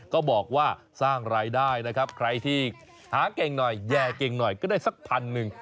ก็บอกว่าสร้างรายได้นะครับใครที่หาเก่งหน่อยแย่เก่งหน่อยก็ได้สักพันหนึ่ง